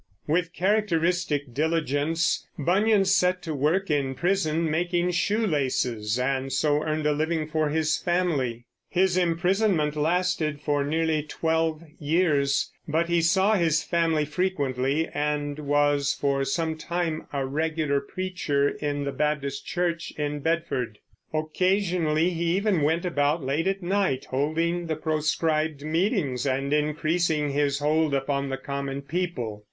With characteristic diligence Bunyan set to work in prison making shoe laces, and so earned a living for his family. His imprisonment lasted for nearly twelve years; but he saw his family frequently, and was for some time a regular preacher in the Baptist church in Bedford. Occasionally he even went about late at night, holding the proscribed meetings and increasing his hold upon the common people.